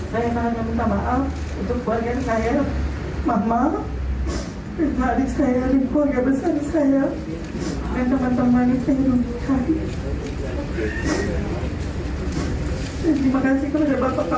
saya mau makan saya ada sel